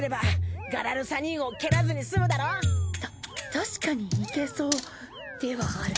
確かにいけそうではある。